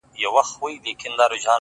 لكه ژړا-